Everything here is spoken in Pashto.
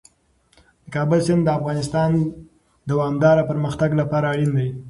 د کابل سیند د افغانستان د دوامداره پرمختګ لپاره اړین دي.